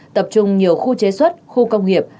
tập trung nhiều khu chế xuất khu công nghiệp